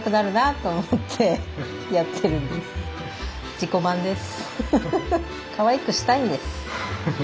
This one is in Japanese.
自己満です。